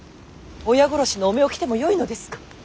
親殺しの汚名を着てもよいのですか。